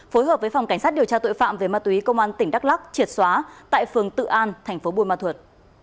phối hợp với phòng cảnh sát điều tra tội phạm về ma túy công an tỉnh đắk lắc triệt xóa tại phường tự an thành phố buôn ma thuật